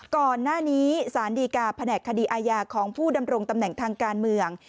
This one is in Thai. ก่อนหน้านี้สารดีกาแผนกคดีอาญาของผู้ดำรงตำแหน่งทางการเมือง